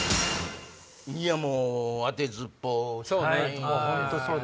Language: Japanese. いやもう当てずっぽう。